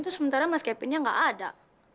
itu sementara mas kevinnya gak ada